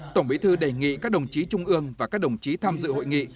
tổng bí thư đề nghị các đồng chí trung ương và các đồng chí tham dự hội nghị